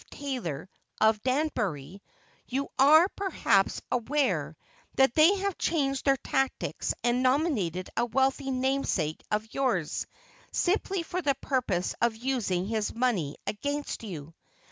Taylor, of Danbury, you are, perhaps, aware that they have changed their tactics and nominated a wealthy namesake of yours, simply for the purpose of using his money against you.